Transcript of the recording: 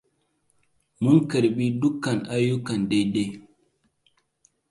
Mun karɓi dukkan ayyukan dai-dai.